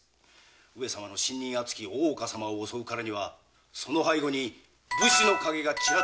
上様の信任厚き大岡様を襲うからにはその背後に武士の影がちらついておりまする。